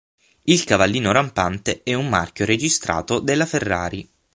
Il cavallino rampante è un marchio registrato della Ferrari.